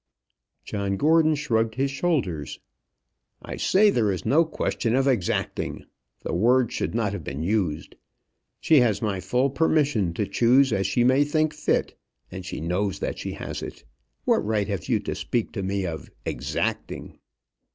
John Gordon shrugged his shoulders. "I say there is no question of exacting. The words should not have been used. She has my full permission to choose as she may think fit, and she knows that she has it. What right have you to speak to me of exacting?"